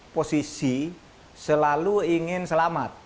posisi selalu ingin selamat